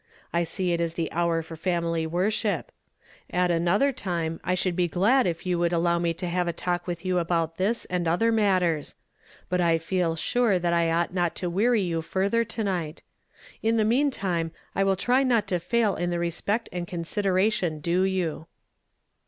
I see it is the hour for family worship. i ''M 92 YESTERDAY FRAMED IN TO DAY. At another time I should be gkid if you would allow me to have a talk with you about this, and other matters ; but I feel sure that I ought not to weary you further to night. In the meantime, I will try not to fail in the respect and consideration due you."